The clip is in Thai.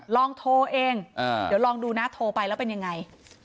ลองโทรเองเดี๋ยวลองดูนะโทรไปแล้วเป็นยังไง